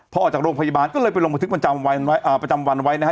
พอออกจากโรงพยาบาลก็เลยไปลงบันทึกประจำวันประจำวันไว้นะฮะ